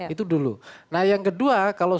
itu dulu nah yang kedua kalau